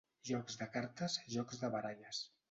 Jocs de cartes, jocs de baralles.